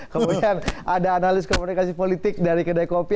kemudian ada analis komunikasi politik dari kedai kopi